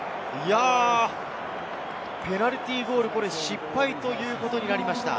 ペナルティーゴール失敗となりました。